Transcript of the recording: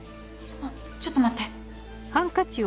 あっちょっと待って。